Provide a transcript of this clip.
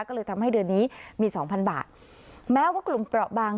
ก็เลยทำให้เดือนนี้มีสองพันบาทแม้ว่ากลุ่มเปราะบาง